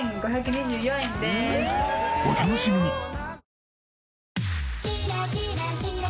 お楽しみに！